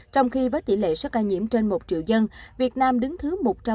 trong khi với tỷ lệ số ca nhiễm trên một triệu dân việt nam đứng thứ một trăm bốn mươi bảy